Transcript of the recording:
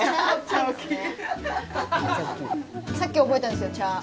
さっき覚えたんですよちゃー。